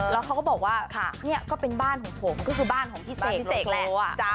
แล้วเขาก็บอกว่าเนี่ยก็เป็นบ้านของผมก็คือบ้านของพี่เศกโรโกะ